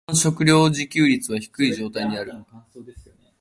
日本の食糧自給率は低い状態にある。